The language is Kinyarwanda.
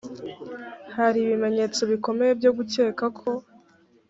hari ibimenyetso bikomeye byo gukeka ko